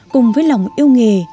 cùng với lòng yêu nghề